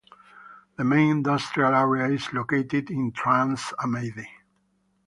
The main industrial area is located in Trans Amadi.